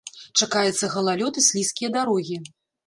Чакаецца галалёд і слізкія дарогі.